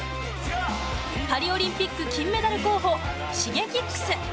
パリオリンピック金メダル候補Ｓｈｉｇｅｋｉｘ。